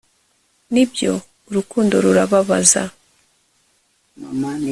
nibyo, urukundo rurababaza